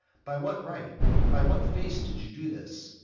By what right? with what face do you do this?